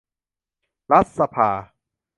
รัฐสภา